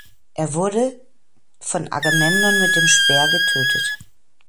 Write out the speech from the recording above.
Er wurde von Agamemnon mit dem Speer getötet.